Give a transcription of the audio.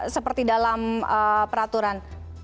seperti dalam peraturan